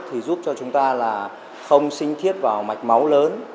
thì giúp cho chúng ta là không sinh thiết vào mạch máu lớn